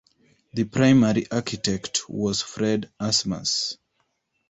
The primary architect was Fred Asmus.